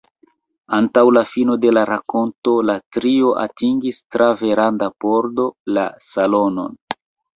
Antaŭ la fino de la rakonto, la trio atingis, tra veranda pordo, la salonon.